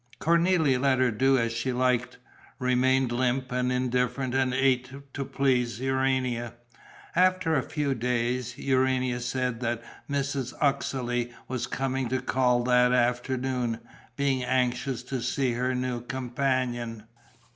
Cornélie let her do as she liked, remained limp and indifferent and ate to please Urania. After a few days, Urania said that Mrs. Uxeley was coming to call that afternoon, being anxious to see her new companion.